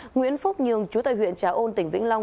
nguyễn phúc nhường chủ tịch huyện